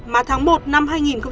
mà tháng một năm hai nghìn một mươi hai